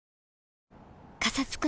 カサつく